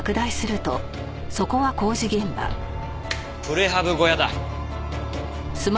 プレハブ小屋だ。